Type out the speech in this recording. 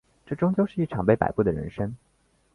这终究是一场被摆布的人生